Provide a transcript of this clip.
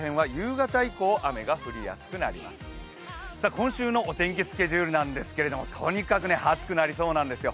今週のお天気スケジュールなんですけれどもとにかく暑くなりそうなんですよ。